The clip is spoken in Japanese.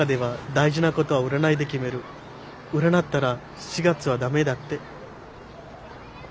占ったら７月は駄目だって。